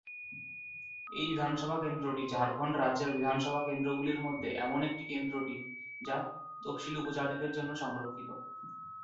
এই বিধানসভা কেন্দ্রটি ঝাড়খণ্ড রাজ্যের বিধানসভা কেন্দ্রগুলির মধ্যে এমন একটি কেন্দ্রটি যা তফসিলী উপজাতিদের জন্য সংরক্ষিত।